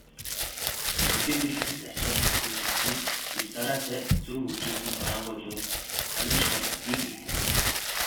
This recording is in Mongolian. Мэдээлэл хэт ачаалагдах үзэгдэл нь дэс дараатай, зөв хөгжүүлсэн хураангуйлуур амин чухал гэдгийг илтгэдэг.